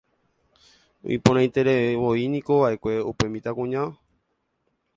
Iporãitereivoínikova'ekue upe mitãkuña